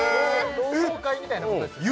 同窓会みたいなもんですね